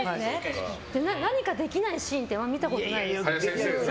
何かできないシーンって見たことないですね。